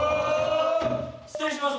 失礼します。